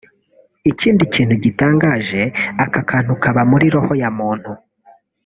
Ikindi kintu gitangaje aka kantu kaba muri roho ya muntu